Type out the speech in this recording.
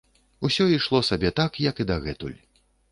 Усё ішло сабе так, як і дагэтуль.